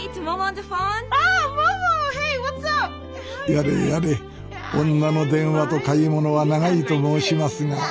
やれやれ女の電話と買い物は長いと申しますが。